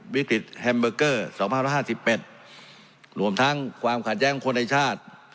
วิกฤตแฮมเบอร์เกอร์สองห้าพันห้าห้าสิบเป็นรวมทั้งความขัดแย้งคนในชาติ